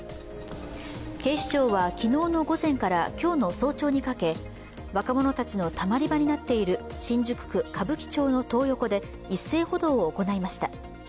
警視庁は昨日の午前からきょうの早朝にかけ、若者たちのたまり場になっている新宿区歌舞伎町のトー横で一斉補導を行いました。